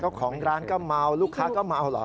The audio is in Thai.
เจ้าของร้านก็เมาลูกค้าก็เมาเหรอ